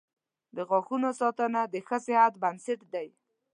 • د غاښونو ساتنه د ښه صحت بنسټ دی.